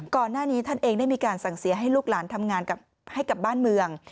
ก่อนหน้านี้ท่านเองได้มีการสั่งเสียให้ลูกหลานทำงานให้กับบ้านเมือง